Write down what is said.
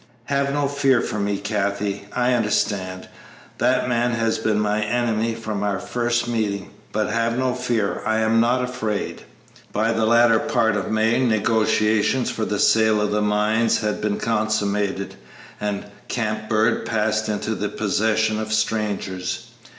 "Have no fear for me, Kathie. I understand. That man has been my enemy from our first meeting; but have no fear; I am not afraid." By the latter part of May negotiations for the sale of the mines had been consummated, and Camp Bird passed into the possession of strangers.